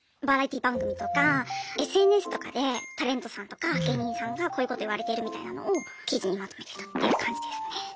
バラエティー番組とかＳＮＳとかでタレントさんとか芸人さんがこういうこと言われてるみたいなのを記事にまとめてたっていう感じですね。